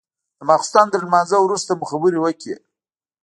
د ماخستن تر لمانځه وروسته مو خبرې وكړې.